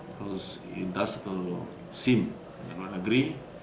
terus intas atau sim yang lain negeri